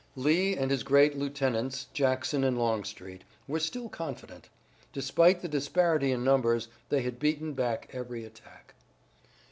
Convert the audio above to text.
Lee and his great lieutenants, Jackson and Longstreet, were still confident. Despite the disparity in numbers they had beaten back every attack.